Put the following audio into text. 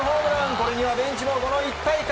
これには、ベンチもこの一体感。